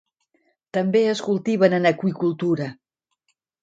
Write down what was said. També es cultiven en aqüicultura.